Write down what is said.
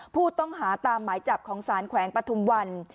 ผู้ต้องหาตามหมายจับของสารแขวงปฐุมวัน